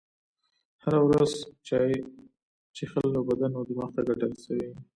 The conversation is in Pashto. هره ورځ چایی چیښل و بدن او دماغ ته ګټه رسوي.